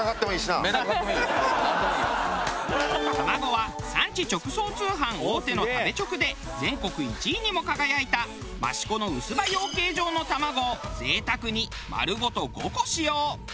卵は産地直送通販大手の食べチョクで全国１位にも輝いた益子の薄羽養鶏場の卵を贅沢に丸ごと５個使用。